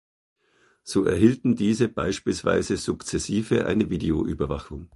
So erhielten diese beispielsweise sukzessive eine Videoüberwachung.